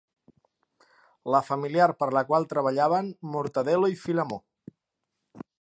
La familiar per la qual treballaven Mortadel·lo i Filemó.